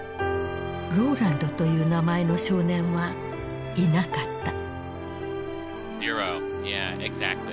ローランドという名前の少年はいなかった。